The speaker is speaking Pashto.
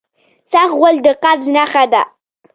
سخت غول د قبض نښه ده.